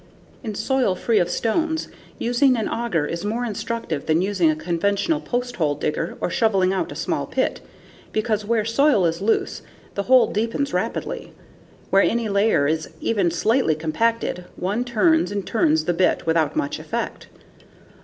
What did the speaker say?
In soil free of stones, using an auger is more instructive than using a conventional posthole digger or shoveling out a small pit, because where soil is loose, the hole deepens rapidly. Where any layer is even slightly compacted, one turns and turns the bit without much effect.